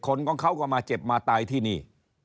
ของเขาก็มาเจ็บมาตายที่นี่